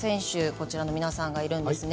こちらの皆さんがいるんですね。